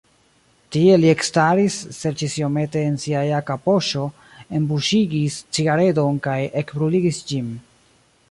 Tie li ekstaris, serĉis iomete en sia jaka poŝo, enbuŝigis cigaredon kaj ekbruligis ĝin.